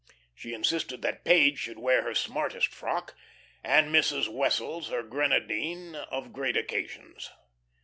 She insisted that Page should wear her smartest frock, and Mrs. Wessels her grenadine of great occasions.